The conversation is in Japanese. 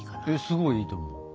すごいいいと思う。